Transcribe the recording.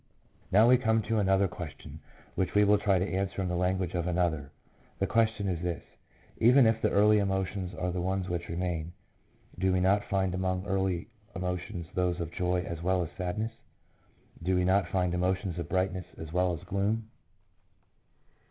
2 Now we come to another question, which we will try to answer in the language of another. The question is this : Even if the early emotions are the ones which remain, do we not find among early emotions those of joy as well as sadness? Do we not find emotions of brightness as well as of gloom